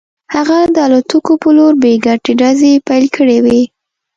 هغه د الوتکو په لور بې ګټې ډزې پیل کړې وې